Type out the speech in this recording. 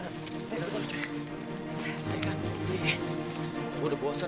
nah tarik aja